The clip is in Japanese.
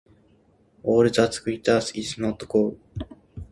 “All that glitters is not gold.”